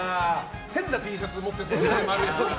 変なＴシャツ持ってそうですね。